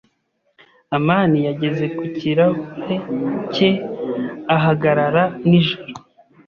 amani yageze ku kirahure cye ahagarara nijoro.